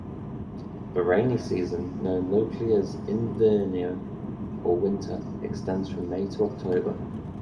The rainy season, known locally as "invierno", or winter, extends from May to October.